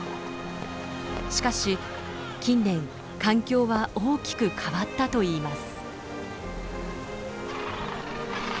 しかし近年環境は大きく変わったといいます。